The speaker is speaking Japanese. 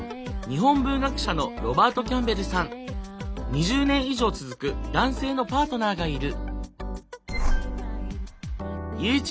２０年以上続く男性のパートナーがいる。